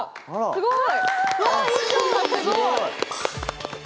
すごい。